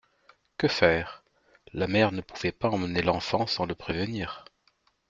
Que faire ? La mère ne pouvait pas emmener l'enfant sans le prévenir.